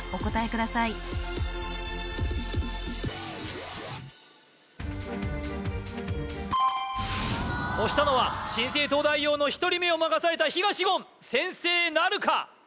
ください押したのは新生東大王の１人目を任された東言先制なるか？